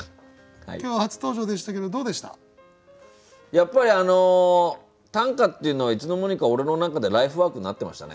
やっぱり短歌っていうのはいつの間にか俺の中でライフワークになってましたね。